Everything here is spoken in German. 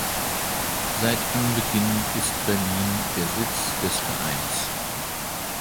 Seit Anbeginn ist Berlin der Sitz des Vereins.